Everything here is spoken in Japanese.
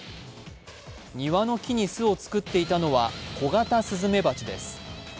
庭の木に巣を作っていたのはコガタスズメバチです。